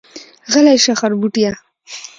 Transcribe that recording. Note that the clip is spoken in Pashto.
غلی شه خربوټيه.